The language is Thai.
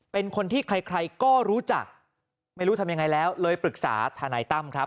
เป็นคนที่ใครใครก็รู้จักไม่รู้ทำยังไงแล้วเลยปรึกษาทนายตั้มครับ